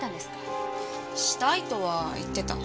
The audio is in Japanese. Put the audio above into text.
したいとは言ってた。